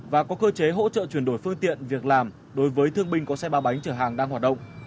và có cơ chế hỗ trợ chuyển đổi phương tiện việc làm đối với thương binh có xe ba bánh chở hàng đang hoạt động